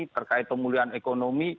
terkait pemulihan ekonomi